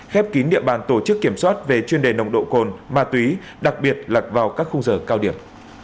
khép kín địa bàn tổ chức kiểm soát về chuyên đề nồng độ cồn ma túy đặc biệt là vào các khung giờ cao điểm